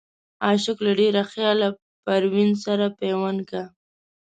عاشق له ډېره خياله پروين سره پيوند کا